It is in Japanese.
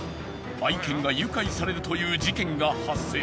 ［愛犬が誘拐されるという事件が発生］